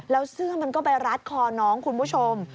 แล้วเสื้อมันก็ไปรัดคอน้องคุณผู้ชม